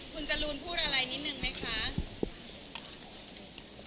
คุณจรูนพูดอะไรนิดนึงไหมคะ